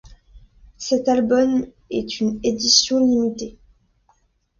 Cet album est une édition limitée.